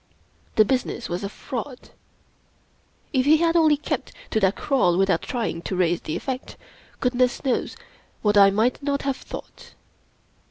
The business was a fraud. If he had only kept to that crawl without trying to raise the effect, goodness knows what I might not have 32 Rudyard Kipling thought.